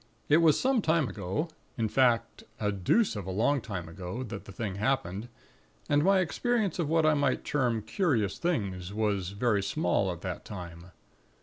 It was some time ago, in fact a deuce of a long time ago, that the thing happened; and my experience of what I might term 'curious' things was very small at that time.